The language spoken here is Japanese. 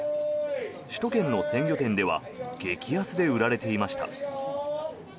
首都圏の鮮魚店では激安で売られていました。